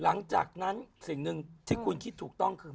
หลังจากนั้นสิ่งหนึ่งที่คุณคิดถูกต้องคือ